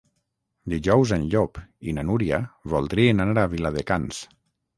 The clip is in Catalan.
Dijous en Llop i na Núria voldrien anar a Viladecans.